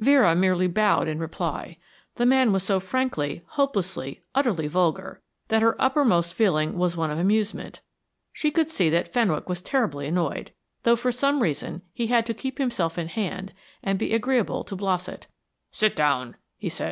Vera merely bowed in reply. The man was so frankly, hopelessly, utterly vulgar that her uppermost feeling was one of amusement. She could see that Fenwick was terribly annoyed, though for some reason he had to keep himself in hand and be agreeable to Blossett. "Sit down," he said.